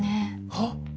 はっ？